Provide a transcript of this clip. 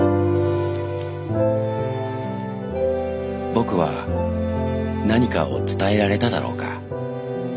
「僕は何かを伝えられただろうか。